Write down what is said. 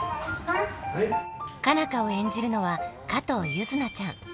佳奈花を演じるのは加藤柚凪ちゃん。